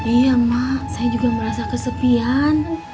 iya mak saya juga merasa kesepian